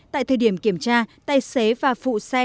tại thời điểm kiểm tra tài xế và phụ xe